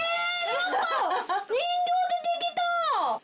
何か人形出てきた！